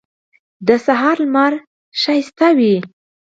د سهار لمر ښکلی وي.